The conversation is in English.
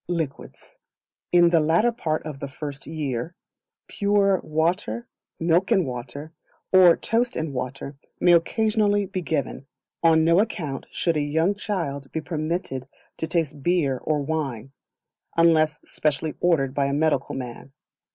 Liquids. In the latter part of the First Year, pure water, milk and water, or toast and water may occasionally be given. On no account should a young child be permitted to taste beer or wine, unless specially ordered by a medical man.